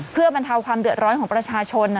เพื่อบรรเทาความเดือดร้อนของประชาชน